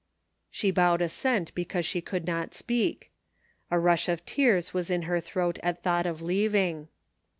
" She bowed assent because she could not speak. A rush of tears was in her throat at thought of leaving.